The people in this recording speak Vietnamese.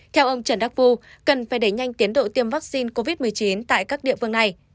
theo ông trần đắc phu cần phải đẩy nhanh tiến độ tiêm vaccine covid một mươi chín tại các địa phương này